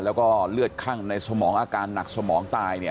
แล้วก็เลือดคั่งในสมองอาการหนักสมองตายเนี่ย